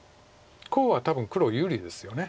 コウは多分黒有利ですよね。